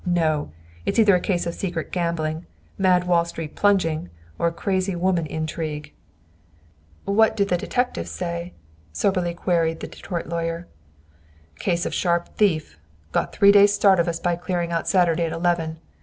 No! It's either a case of secret gambling, mad Wall Street plunging, or a crazy woman intrigue." "What do the detectives say?" soberly queried the Detroit lawyer. "Case of sharp thief, got three days' start of us by clearing out Saturday at eleven.